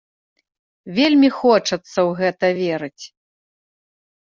Вельмі хочацца ў гэта верыць!